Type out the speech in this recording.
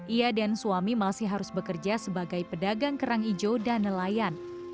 ia dan suami masih harus bekerja sebagai pedagang kerang hijau dan nelayan